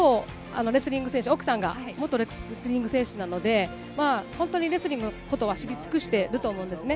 奥さんが元レスリング選手なので本当にレスリングのことは知り尽くしていると思うんですね。